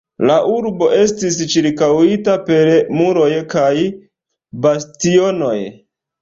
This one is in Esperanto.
La urbo estis ĉirkaŭita per muroj kaj bastionoj.